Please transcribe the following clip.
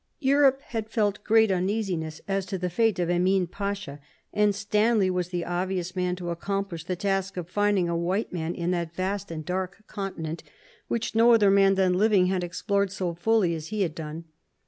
Europe had felt great uneasiness as to the fate of Emin Pasha, and Stanley was the obvious man to accomplish the task of finding a white man in that vast and dark continent, SLEEPING SICKNESS 15 which no other man then living had explored so fully as he had done.